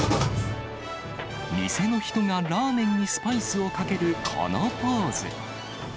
店の人がラーメンにスパイスをかけるこのポーズ。